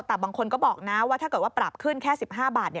แต่บางคนก็บอกนะว่าถ้าเกิดว่าปรับขึ้นแค่๑๕บาท